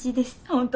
本当？